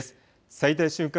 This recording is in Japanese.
最大瞬間